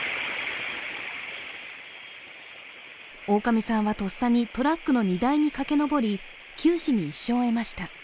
大上さんはとっさにトラックの荷台に駆け上り九死に一生を得ました。